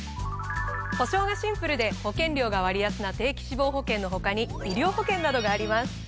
保障がシンプルで保険料が割安な定期死亡保険の他に医療保険などがあります。